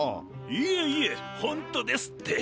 いえいえほんとですって。